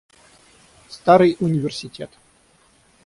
Старый университет.